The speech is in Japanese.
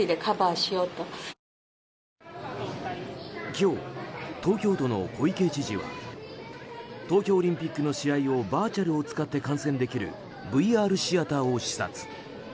今日、東京都の小池知事は東京オリンピックの試合をバーチャルを使って観戦ができるＶＲシアターを視察。